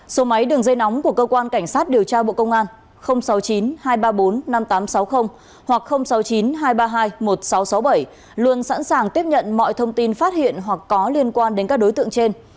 số máy đường dây nóng của cơ quan cảnh sát điều tra bộ công an sáu mươi chín hai trăm ba mươi bốn năm nghìn tám trăm sáu mươi hoặc sáu mươi chín hai trăm ba mươi hai một nghìn sáu trăm sáu mươi bảy luôn sẵn sàng tiếp nhận mọi thông tin phát hiện hoặc có liên quan đến các đối tượng trên